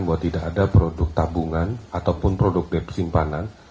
bahwa tidak ada produk tabungan ataupun produk dari simpanan